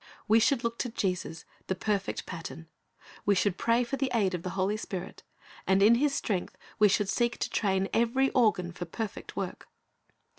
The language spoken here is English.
We should look to Jesus, the perfect pattern; we should pray for the aid of the Holy Spirit, and in His strength we should seek to train every organ for perfect work.